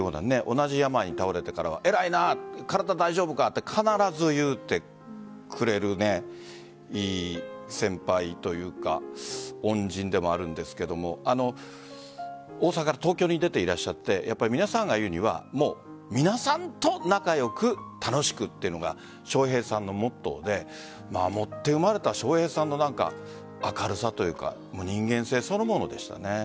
同じ病に倒れてからは偉いな、体大丈夫かと必ず言ってくれるいい先輩というか恩人でもあるんですけども大阪から東京に出ていらっしゃって皆さんが言うには皆さんと仲良く楽しくというのが笑瓶さんのモットーで持って生まれた笑瓶さんの明るさというか人間性そのものでしたね。